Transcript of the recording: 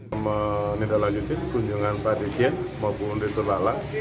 kami menindalaiunkan kunjungan pak dikien maupun dr lala